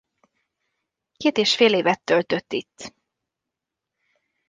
Két és fél évet töltött itt.